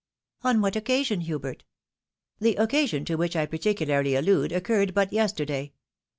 " On what occasion, Hubert ?"" The occasion to which I particularly allude occurred but yesterday.